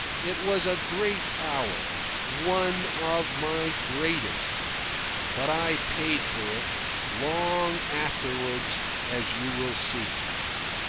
It was a great hour one of my greatest. But I paid for it, long afterwards, as you will see.